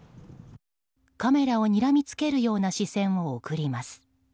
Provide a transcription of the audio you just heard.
カメラをにらみつけるような視線を送ります。